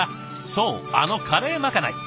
そうあのカレーまかない。